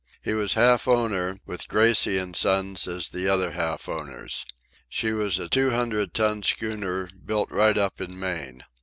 He was half owner, with Gracie & Sons as the other half owners. She was a two hundred ton schooner, built right up in Maine.